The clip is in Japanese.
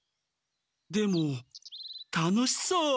でも楽しそう。